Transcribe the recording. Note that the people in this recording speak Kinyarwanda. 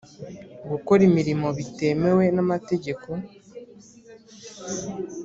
Gukora imirimo bitemewe n’amategeko